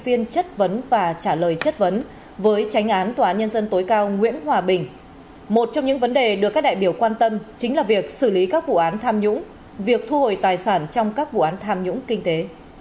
việc thu hồi tài sản trong các vụ án tham nhũng kinh tế